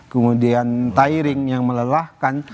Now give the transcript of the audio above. kemudian tiring yang melelahkan